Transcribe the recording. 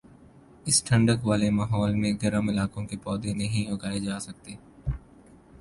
اس ٹھنڈک والے ماحول میں گرم علاقوں کے پودے نہیں اگائے جاسکتے